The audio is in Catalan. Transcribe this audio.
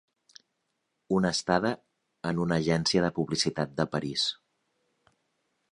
Una estada en una agència de publicitat de París.